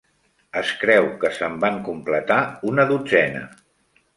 Es creu que se'n van completar una dotzena.